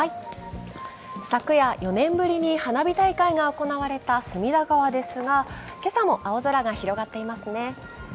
昨夜４年ぶりに花火大会が行われた隅田川ですが今朝も青空が広がっていますね。